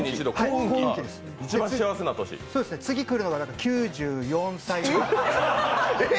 次来るのが９４歳ぐらい。